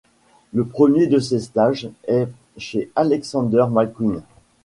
Le premier de ces stages est chez Alexander McQueen.